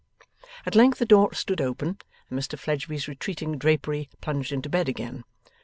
At length the door stood open, and Mr Fledgeby's retreating drapery plunged into bed again.